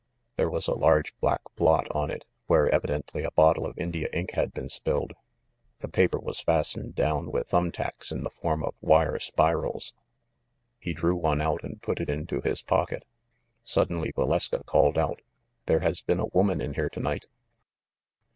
There was a large black blot on it where evidently a bottle of India ink had been spilled. The paper was fastened down with thumb tacks in the form of wire spirals. He drew one out and put it into his pocket. Suddenly Valeska called out, "There has been a woman in here to night